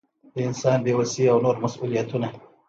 د انسان بې وسي او نور مسؤلیتونه.